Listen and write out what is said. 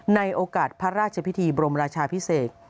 ในโอกาสพระราชพิธีบรมราชาพิเศษ